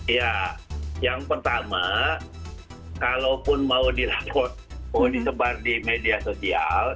ya yang pertama kalaupun mau disebar di media sosial